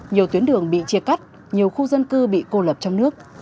nhiều tuyến đường bị chia cắt nhiều khu dân cư bị cô lập trong nước